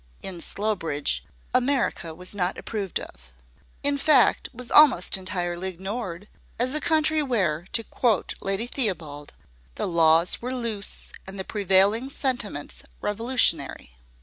In Slowbridge, America was not approved of in fact, was almost entirely ignored, as a country where, to quote Lady Theobald, "the laws were loose, and the prevailing sentiments revolutionary."